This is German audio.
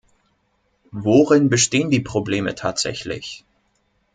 Worin bestehen die Probleme tatsächlich?